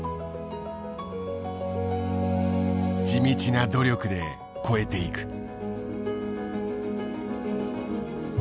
地道な努力で越えていく。